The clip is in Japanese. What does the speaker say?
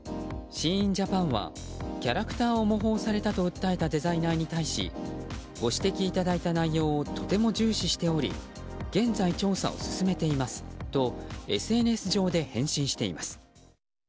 ＳＨＥＩＮＪＡＰＡＮはキャラクターを模倣されたと訴えたデザイナーに対しご指摘いただいた内容をとても重視しており現在、調査を進めていますとＳＮＳ上で返信しています。